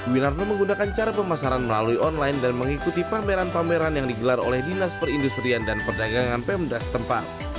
winarno menggunakan cara pemasaran melalui online dan mengikuti pameran pameran yang digelar oleh dinas perindustrian dan perdagangan pemda setempat